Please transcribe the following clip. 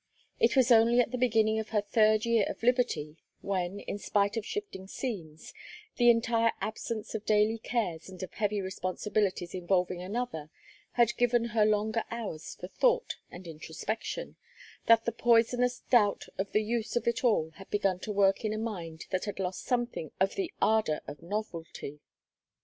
It was only at the beginning of her third year of liberty, when, in spite of shifting scenes, the entire absence of daily cares and of heavy responsibilities involving another had given her longer hours for thought and introspection, that the poisonous doubt of the use of it all had begun to work in a mind that had lost something of the ardor of novelty.